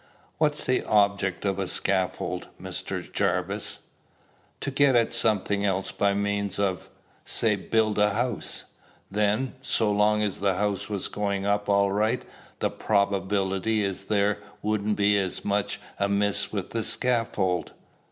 "What's the object of a scaffold, Mr. Jarvis?" "To get at something else by means of, say build a house." "Then, so long as the house was going up all right, the probability is there wouldn't be much amiss with the scaffold?"